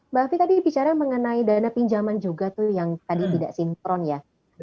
mbak afi tadi bicara mengenai dana pinjaman juga tuh yang tadi tidak sinkron ya